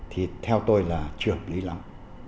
thì theo tôi là chưa hợp lý lắm